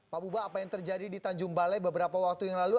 pak buba apa yang terjadi di tanjung balai beberapa waktu yang lalu